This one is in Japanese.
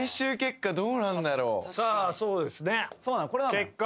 そうですね